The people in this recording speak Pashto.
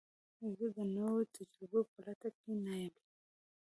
زه د نوو تجربو په لټه کې نه یم.